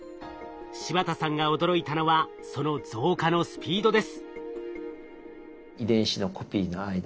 柴田さんが驚いたのはその増加のスピードです。